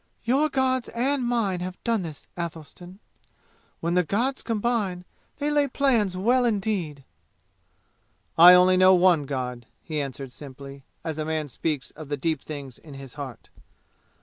"Your gods and mine have done this, Athelstan. When the gods combine they lay plans well indeed!" "I only know one God," he answered simply, as a man speaks of the deep things in his heart.